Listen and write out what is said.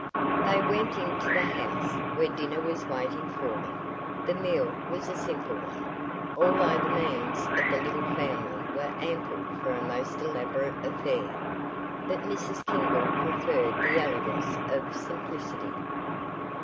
They went into the house, where dinner was waiting for them. The meal was a simple one, although the means of the little family were ample for a most elaborate affair. But Mrs. Kimball preferred the elegance of simplicity.